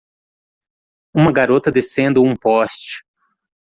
Uma garota descendo um poste